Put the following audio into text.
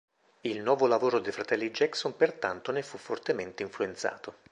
Il nuovo lavoro dei fratelli Jackson pertanto ne fu fortemente influenzato.